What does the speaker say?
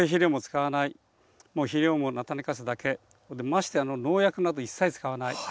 ましてや農薬など一切使わない。